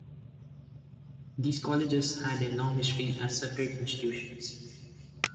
These colleges had a long history as separate institutions.